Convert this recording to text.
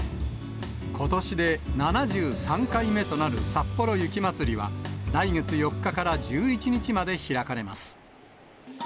ことしで７３回目となるさっぽろ雪まつりは、来月４日から１１日まで開かれます。